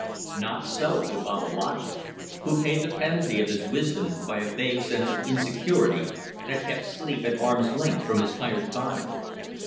Not so to Babalatchi, who paid the penalty of his wisdom by a vague sense of insecurity that kept sleep at arm's length from his tired body.